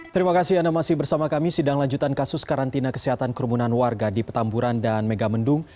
terima kasih anda masih bersama kami sidang lanjutan kasus karantina kesehatan kerumunan warga di petamburan dan megamendung